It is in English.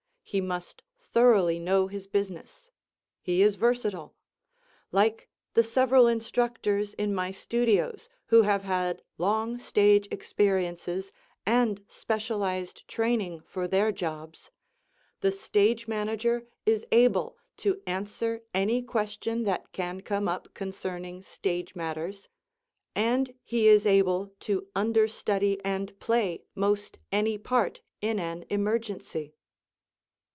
He must thoroughly know his business. He is versatile. Like the several instructors in my studios, who have had long stage experiences and specialized training for their jobs, the Stage Manager is able to answer any question that can come up concerning stage matters, and he is able to understudy and play most any part in an emergency.